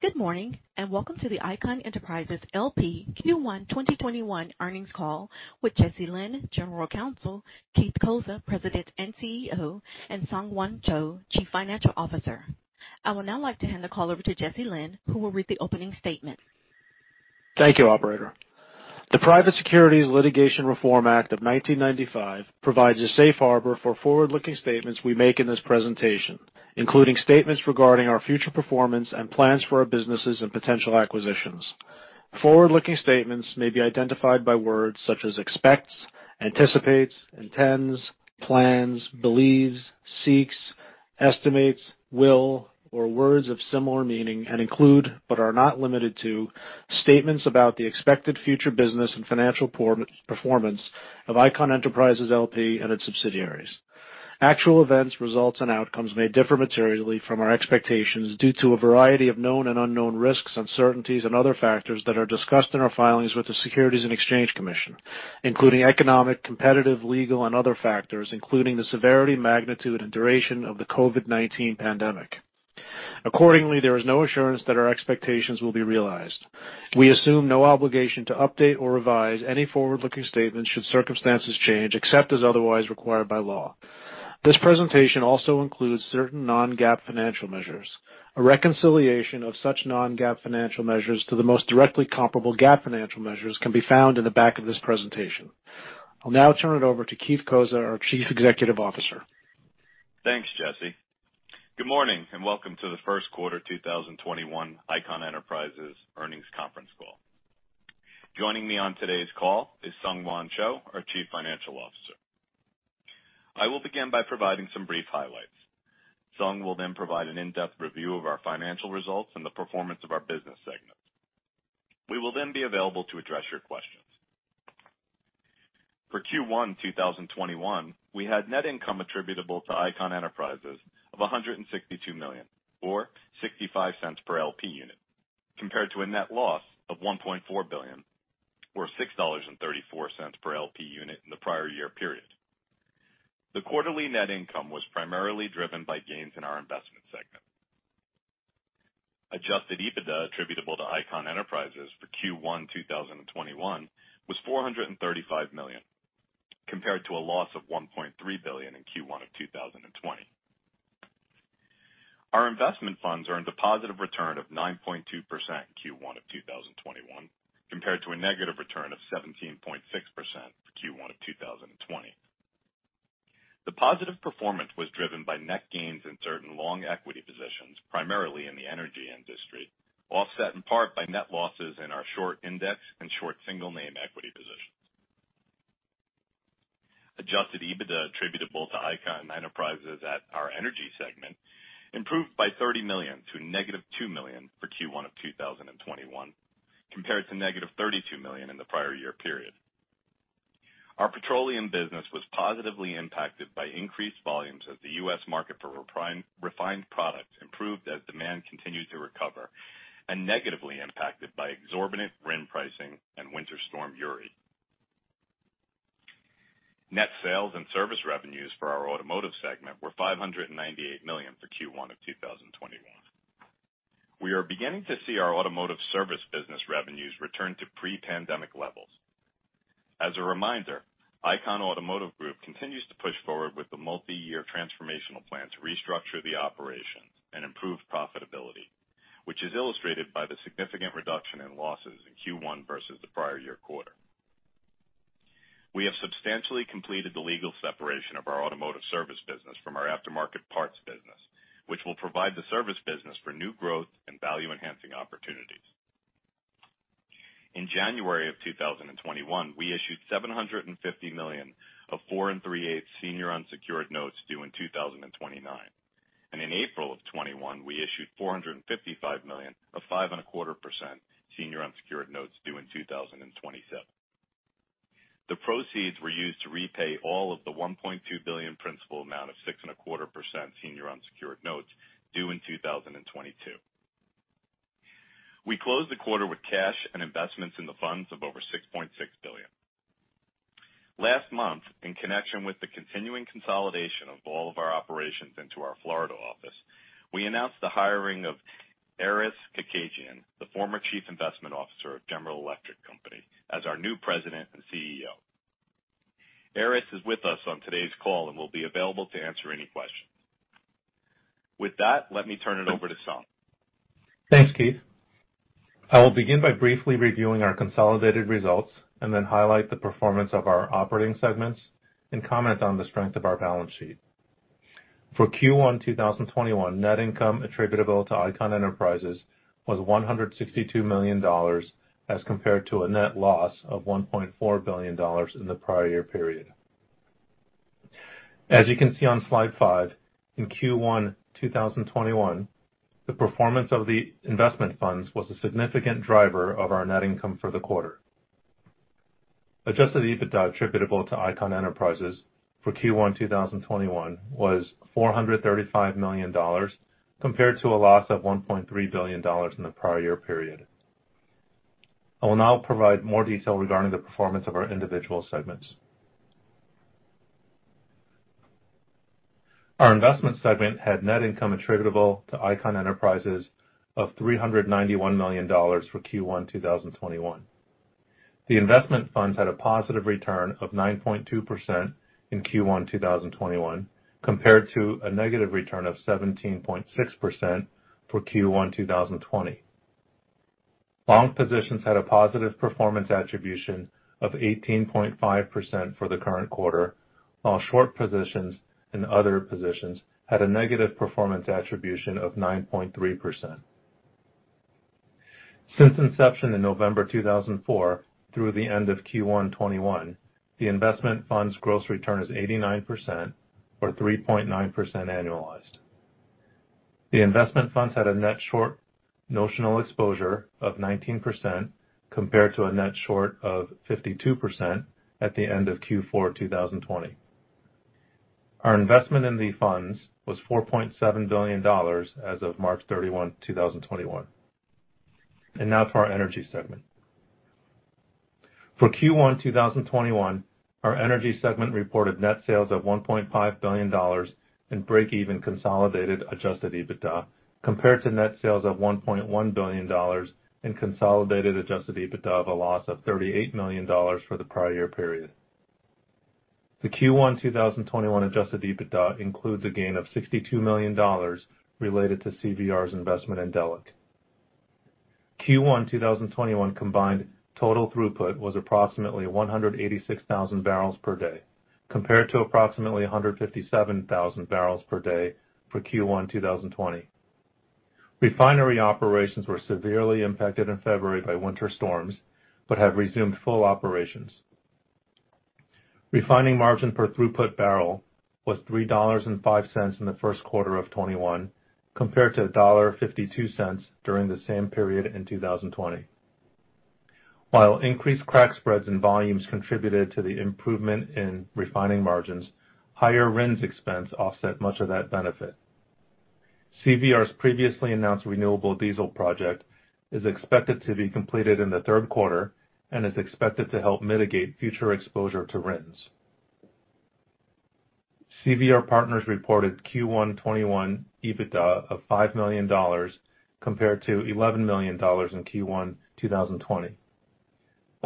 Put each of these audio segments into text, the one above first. Good morning. Welcome to the Icahn Enterprises L.P. Q1 2021 earnings call with Jesse Lynn, General Counsel, Keith Cozza, President and CEO, and SungHwan Cho, Chief Financial Officer. I would now like to hand the call over to Jesse Lynn, who will read the opening statement. Thank you, operator. The Private Securities Litigation Reform Act of 1995 provides a safe harbor for forward-looking statements we make in this presentation, including statements regarding our future performance and plans for our businesses and potential acquisitions. Forward-looking statements may be identified by words such as expects, anticipates, intends, plans, believes, seeks, estimates, will, or words of similar meaning, and include but are not limited to statements about the expected future business and financial performance of Icahn Enterprises L.P. and its subsidiaries. Actual events, results, and outcomes may differ materially from our expectations due to a variety of known and unknown risks, uncertainties, and other factors that are discussed in our filings with the Securities and Exchange Commission, including economic, competitive, legal, and other factors, including the severity, magnitude, and duration of the COVID-19 pandemic. Accordingly, there is no assurance that our expectations will be realized. We assume no obligation to update or revise any forward-looking statements should circumstances change, except as otherwise required by law. This presentation also includes certain non-GAAP financial measures. A reconciliation of such non-GAAP financial measures to the most directly comparable GAAP financial measures can be found in the back of this presentation. I'll now turn it over to Keith Cozza, our Chief Executive Officer. Thanks, Jesse. Good morning, welcome to the first quarter 2021 Icahn Enterprises earnings conference call. Joining me on today's call is SungHwan Cho, our Chief Financial Officer. I will begin by providing some brief highlights. Sung will provide an in-depth review of our financial results and the performance of our business segments. We will be available to address your questions. For Q1 2021, we had net income attributable to Icahn Enterprises of $162 million, or $0.65 per LP unit, compared to a net loss of $1.4 billion or $6.34 per LP unit in the prior year period. The quarterly net income was primarily driven by gains in our investment segment. Adjusted EBITDA attributable to Icahn Enterprises for Q1 2021 was $435 million, compared to a loss of $1.3 billion in Q1 of 2020. Our investment funds earned a positive return of 9.2% in Q1 of 2021 compared to a negative return of 17.6% for Q1 of 2020. The positive performance was driven by net gains in certain long equity positions, primarily in the energy industry, offset in part by net losses in our short index and short single-name equity positions. Adjusted EBITDA attributable to Icahn Enterprises at our energy segment improved by $30 million to -$2 million for Q1 of 2021 compared to -$32 million in the prior year period. Our petroleum business was positively impacted by increased volumes as the U.S. market for refined products improved as demand continued to recover, and negatively impacted by exorbitant RIN pricing and Winter Storm Uri. Net sales and service revenues for our automotive segment were $598 million for Q1 of 2021. We are beginning to see our automotive service business revenues return to pre-pandemic levels. As a reminder, Icahn Automotive Group continues to push forward with the multi-year transformational plan to restructure the operations and improve profitability, which is illustrated by the significant reduction in losses in Q1 versus the prior-year quarter. We have substantially completed the legal separation of our automotive service business from our aftermarket parts business, which will provide the service business for new growth and value-enhancing opportunities. In January of 2021, we issued $750 million of 4.38% senior unsecured notes due in 2029. In April of 2021, we issued $455 million of 5.25% senior unsecured notes due in 2027. The proceeds were used to repay all of the $1.2 billion principal amount of 6.25% senior unsecured notes due in 2022. We closed the quarter with cash and investments in the funds of over $6.6 billion. Last month, in connection with the continuing consolidation of all of our operations into our Florida office, we announced the hiring of Aris Kekedjian, the former Chief Investment Officer of General Electric Company, as our new President and CEO. Aris is with us on today's call and will be available to answer any questions. With that, let me turn it over to Sung. Thanks, Keith. I will begin by briefly reviewing our consolidated results and then highlight the performance of our operating segments and comment on the strength of our balance sheet. For Q1 2021, net income attributable to Icahn Enterprises was $162 million, as compared to a net loss of $1.4 billion in the prior year period. As you can see on slide five, in Q1 2021, the performance of the investment funds was a significant driver of our net income for the quarter. Adjusted EBITDA attributable to Icahn Enterprises for Q1 2021 was $435 million, compared to a loss of $1.3 billion in the prior year period. I will now provide more detail regarding the performance of our individual segments. Our investment segment had net income attributable to Icahn Enterprises of $391 million for Q1 2021. The investment funds had a positive return of 9.2% in Q1 2021, compared to a negative return of 17.6% for Q1 2020. Long positions had a positive performance attribution of 18.5% for the current quarter, while short positions and other positions had a negative performance attribution of 9.3%. Since inception in November 2004 through the end of Q1 2021, the investment fund's gross return is 89%, or 3.9% annualized. The investment funds had a net short notional exposure of 19%, compared to a net short of 52% at the end of Q4 2020. Our investment in the funds was $4.7 billion as of March 31, 2021. Now for our energy segment. For Q1 2021, our energy segment reported net sales of $1.5 billion in break-even consolidated adjusted EBITDA, compared to net sales of $1.1 billion in consolidated adjusted EBITDA of a loss of $38 million for the prior year period. The Q1 2021 adjusted EBITDA includes a gain of $62 million related to CVR's investment in Delek. Q1 2021 combined total throughput was approximately 186,000 bbl/d, compared to approximately 157,000 bbl/d for Q1 2020. Refinery operations were severely impacted in February by winter storms, but have resumed full operations. Refining margin per throughput barrel was $3.05 in the first quarter of 2021, compared to $1.52 during the same period in 2020. While increased crack spreads and volumes contributed to the improvement in refining margins, higher RINs expense offset much of that benefit. CVR's previously announced renewable diesel project is expected to be completed in the third quarter and is expected to help mitigate future exposure to RINs. CVR Partners reported Q1 2021 EBITDA of $5 million compared to $11 million in Q1 2020.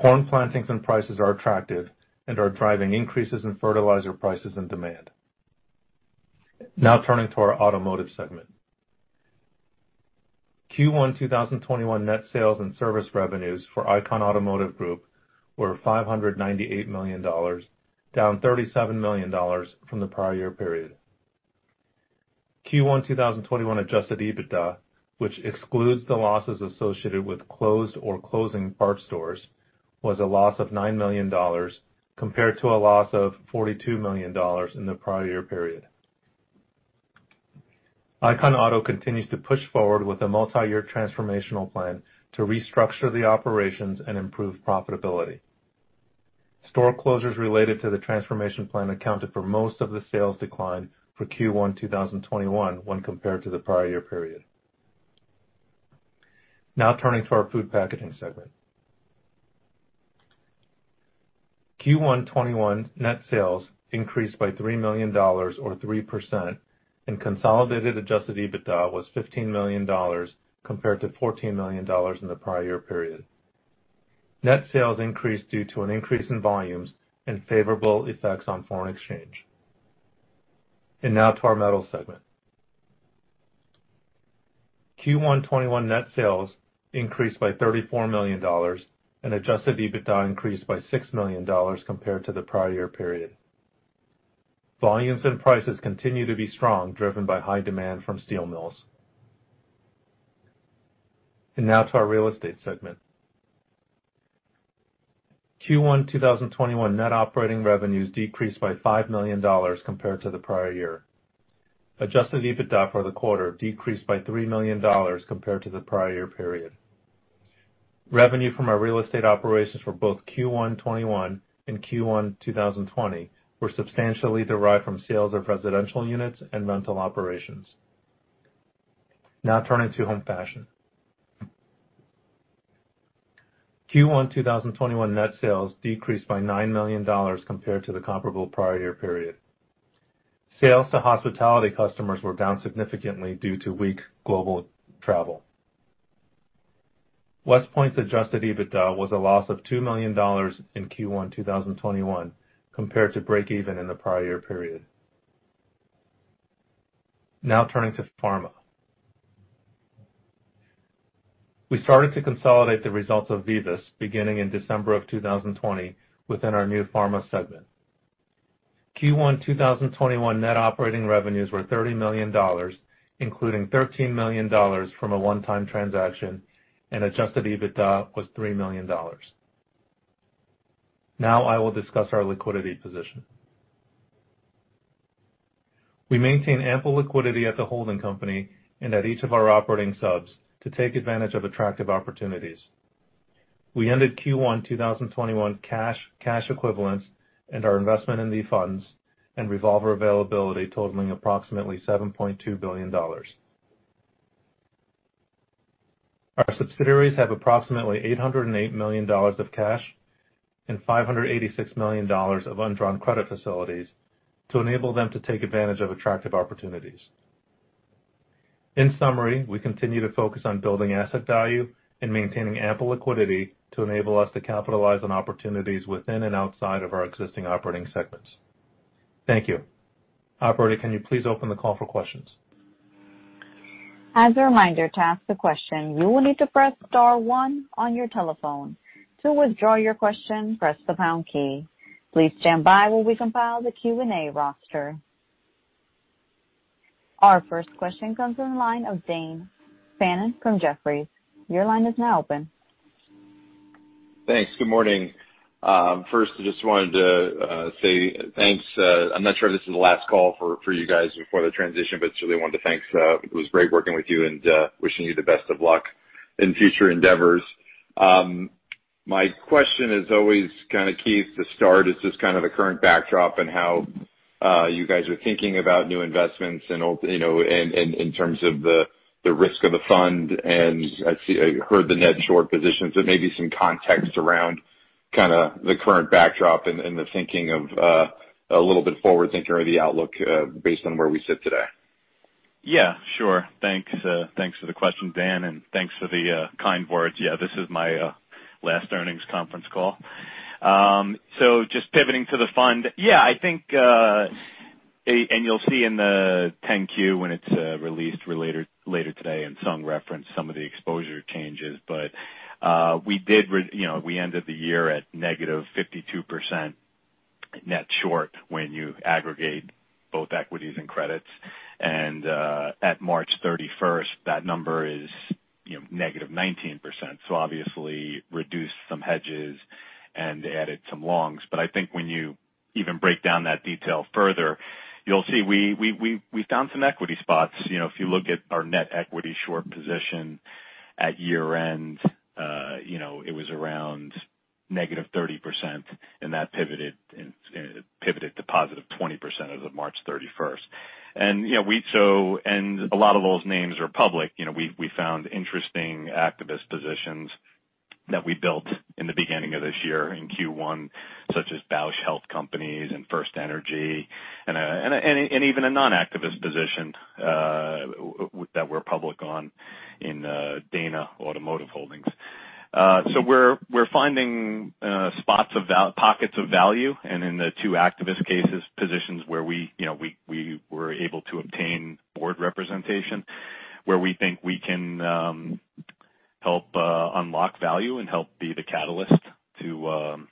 Corn plantings and prices are attractive and are driving increases in fertilizer prices and demand. Turning to our automotive segment. Q1 2021 net sales and service revenues for Icahn Automotive Group were $598 million, down $37 million from the prior year period. Q1 2021 adjusted EBITDA, which excludes the losses associated with closed or closing parts stores, was a loss of $9 million, compared to a loss of $42 million in the prior year period. Icahn Auto continues to push forward with a multi-year transformational plan to restructure the operations and improve profitability. Store closures related to the transformation plan accounted for most of the sales decline for Q1 2021 when compared to the prior year period. Turning to our food packaging segment. Q1 2021 net sales increased by $3 million or 3%, and consolidated adjusted EBITDA was $15 million compared to $14 million in the prior year period. Net sales increased due to an increase in volumes and favorable effects on foreign exchange. Now to our metals segment. Q1 2021 net sales increased by $34 million, and adjusted EBITDA increased by $6 million compared to the prior year period. Volumes and prices continue to be strong, driven by high demand from steel mills. Now to our real estate segment. Q1 2021 net operating revenues decreased by $5 million compared to the prior year. Adjusted EBITDA for the quarter decreased by $3 million compared to the prior year period. Revenue from our real estate operations for both Q1 2021 and Q1 2020 were substantially derived from sales of residential units and rental operations. Now turning to home fashion. Q1 2021 net sales decreased by $9 million compared to the comparable prior year period. Sales to hospitality customers were down significantly due to weak global travel. WestPoint's adjusted EBITDA was a loss of $2 million in Q1 2021 compared to break even in the prior year period. Now turning to pharma. We started to consolidate the results of VIVUS beginning in December of 2020 within our new pharma segment. Q1 2021 net operating revenues were $30 million, including $13 million from a one-time transaction, and adjusted EBITDA was $3 million. Now I will discuss our liquidity position. We maintain ample liquidity at the holding company and at each of our operating subs to take advantage of attractive opportunities. We ended Q1 2021 cash equivalents, and our investment in the funds and revolver availability totaling approximately $7.2 billion. Our subsidiaries have approximately $808 million of cash and $586 million of undrawn credit facilities to enable them to take advantage of attractive opportunities. In summary, we continue to focus on building asset value and maintaining ample liquidity to enable us to capitalize on opportunities within and outside of our existing operating segments. Thank you. Operator, can you please open the call for questions? As a reminder, to ask a question, you will need to press star one on your telephone. To withdraw your question, press the pound key. Please stand by while we compile the Q&A roster. Our first question comes from the line of Dan Fannon from Jefferies. Your line is now open. Thanks. Good morning. First, I just wanted to say thanks. I'm not sure if this is the last call for you guys before the transition, but just really wanted to thank. It was great working with you and wishing you the best of luck in future endeavors. My question is always kind of key to start is just kind of the current backdrop and how you guys are thinking about new investments and in terms of the risk of the fund. I heard the net short positions. Maybe some context around kind of the current backdrop and the thinking of a little bit forward thinking or the outlook based on where we sit today. Sure. Thanks for the question, Dan, and thanks for the kind words. This is my last earnings conference call. Just pivoting to the fund. I think, and you'll see in the 10-Q when it's released later today, and Sung referenced some of the exposure changes. We ended the year at -52% net short when you aggregate both equities and credits. At March 31st, that number is -19%. Obviously reduced some hedges and added some longs. I think when you even break down that detail further, you'll see we found some equity spots. If you look at our net equity short position at year-end, it was around -30%, and that pivoted to +20% as of March 31st. A lot of those names are public. We found interesting activist positions that we built in the beginning of this year in Q1, such as Bausch Health Companies and FirstEnergy, and even a non-activist position that we're public on in Dana Automotive Holdings. We're finding pockets of value. In the two activist cases, positions where we were able to obtain board representation, where we think we can help unlock value and help be the catalyst to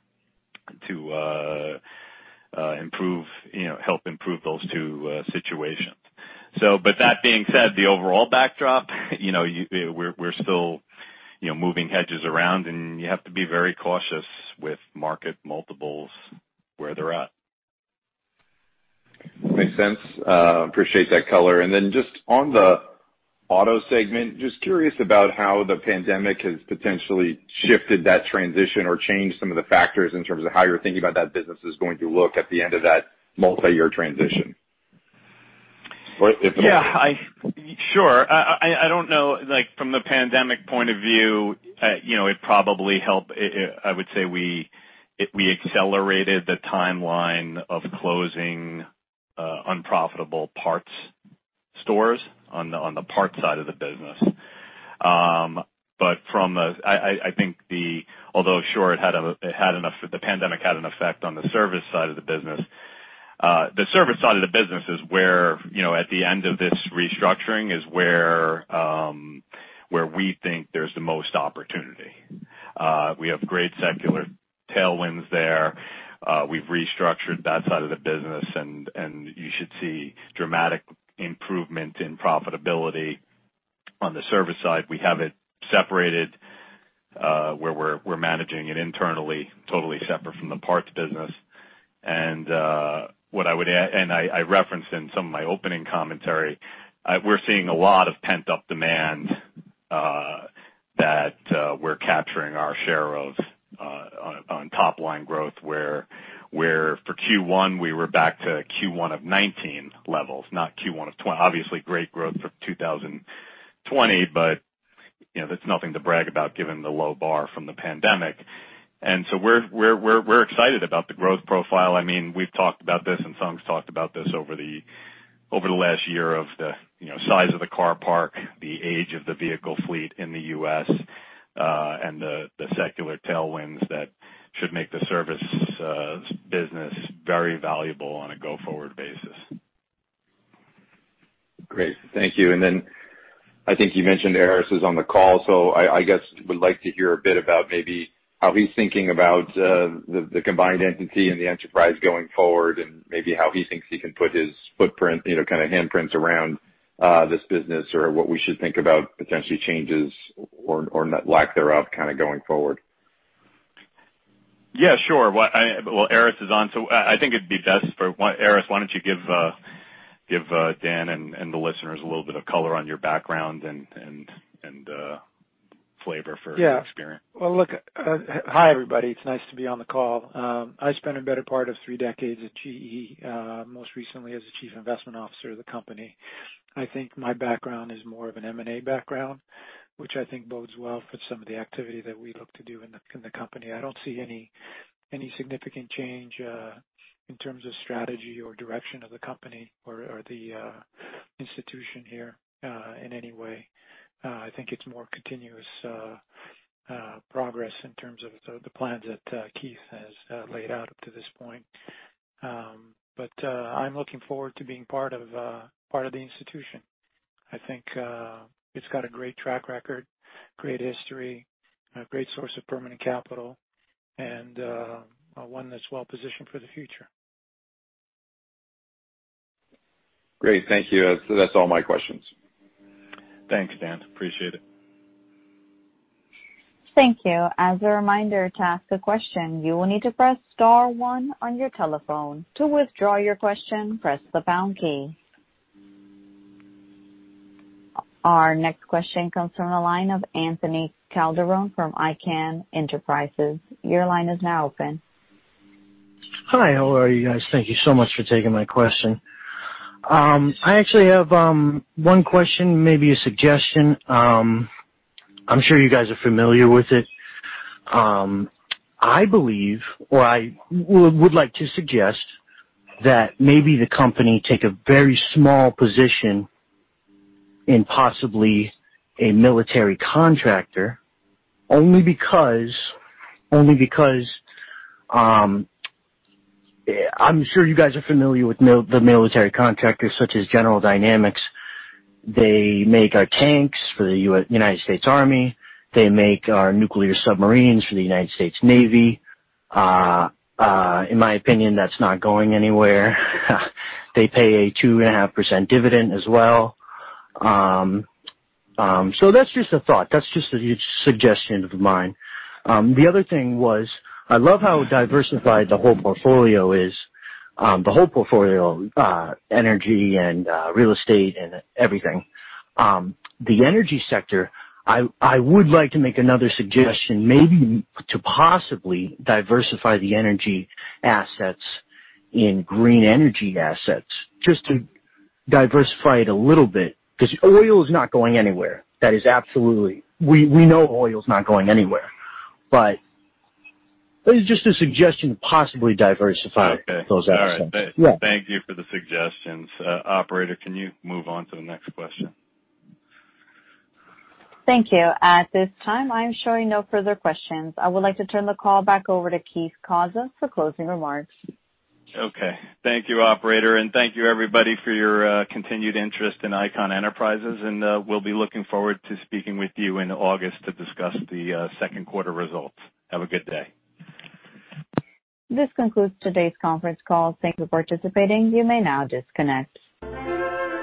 help improve those two situations. That being said, the overall backdrop, we're still moving hedges around, and you have to be very cautious with market multiples where they're at. Makes sense. Appreciate that color. Just on the auto segment, just curious about how the pandemic has potentially shifted that transition or changed some of the factors in terms of how you're thinking about that business is going to look at the end of that multi-year transition. Yeah, sure. I don't know, from the pandemic point of view, it probably helped. I would say we accelerated the timeline of closing unprofitable parts stores on the parts side of the business. I think although, sure, the pandemic had an effect on the service side of the business. The service side of the business is where, at the end of this restructuring, is where we think there's the most opportunity. We have great secular tailwinds there. We've restructured that side of the business, and you should see dramatic improvement in profitability on the service side. We have it separated, where we're managing it internally, totally separate from the parts business. I referenced in some of my opening commentary, we're seeing a lot of pent-up demand that we're capturing our share of on top line growth, where for Q1, we were back to Q1 of 2019 levels, not Q1 of 2020. Obviously, great growth for 2020, but that's nothing to brag about given the low bar from the pandemic. We're excited about the growth profile. We've talked about this, and Sung's talked about this over the last year of the size of the car parc, the age of the vehicle fleet in the U.S., and the secular tailwinds that should make the service business very valuable on a go-forward basis. Great. Thank you. Then I think you mentioned Aris is on the call, I guess would like to hear a bit about maybe how he's thinking about the combined entity and the enterprise going forward, maybe how he thinks he can put his footprint, kind of handprints around this business or what we should think about potentially changes or lack thereof kind of going forward. Yeah, sure. Well, Aris is on. I think it'd be best for Aris. Why don't you give Dan and the listeners a little bit of color on your background and flavor for your experience? Yeah. Well, look, hi, everybody. It's nice to be on the call. I spent a better part of three decades at GE, most recently as the Chief Investment Officer of the company. I think my background is more of an M&A background, which I think bodes well for some of the activity that we look to do in the company. I don't see any significant change in terms of strategy or direction of the company or the institution here in any way. I think it's more continuous progress in terms of the plans that Keith has laid out up to this point. I'm looking forward to being part of the institution. I think it's got a great track record, great history, a great source of permanent capital, and one that's well-positioned for the future. Great. Thank you. That's all my questions. Thanks, Dan. Appreciate it. Thank you. As a reminder, to ask a question, you will need to press star one on your telephone. To withdraw your question, press the pound key. Our next question comes from the line of Anthony Calderon from Icahn Enterprises. Your line is now open. Hi, how are you guys? Thank you so much for taking my question. I actually have one question, maybe a suggestion. I'm sure you guys are familiar with it. I believe, or I would like to suggest that maybe the company take a very small position in possibly a military contractor, only because I'm sure you guys are familiar with the military contractors such as General Dynamics. They make our tanks for the United States Army. They make our nuclear submarines for the United States Navy. In my opinion, that's not going anywhere. They pay a 2.5% dividend as well. That's just a thought. That's just a suggestion of mine. The other thing was, I love how diversified the whole portfolio is. The whole portfolio, energy and real estate and everything. The energy sector, I would like to make another suggestion maybe to possibly diversify the energy assets in green energy assets, just to diversify it a little bit, because oil is not going anywhere. We know oil is not going anywhere. This is just a suggestion to possibly diversify those assets. Okay. All right. Yeah. Thank you for the suggestions. Operator, can you move on to the next question? Thank you. At this time, I'm showing no further questions. I would like to turn the call back over to Keith Cozza for closing remarks. Okay. Thank you, operator, and thank you everybody for your continued interest in Icahn Enterprises, and we'll be looking forward to speaking with you in August to discuss the second quarter results. Have a good day. This concludes today's conference call. Thank you for participating. You may now disconnect.